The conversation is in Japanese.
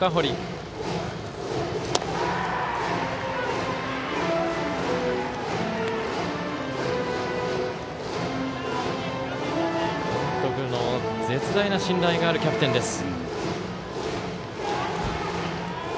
監督の絶大な信頼があるキャプテンです。